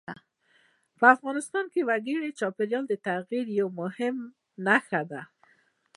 په افغانستان کې وګړي د چاپېریال د تغیر یوه مهمه نښه ده.